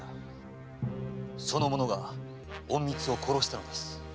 その者が隠密を殺したのです。